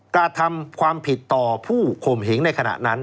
กระทำความผิดต่อผู้ข่มเหงในขณะนั้น